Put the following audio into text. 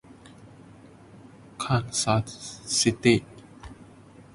He lives in Kansas City, Missouri with his wife Devonne.